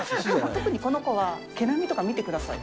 特にこの子は毛並みとか見てください。